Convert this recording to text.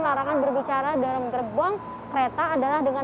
larangan berbicara dalam gerbong kereta adalah dengan